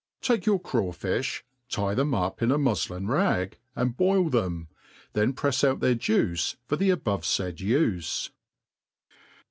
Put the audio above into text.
TAKE ypur craw fifh, tie them up in a muflin rag, and boil tbems then prefs ou; thpir juice for the abovffaid ufe.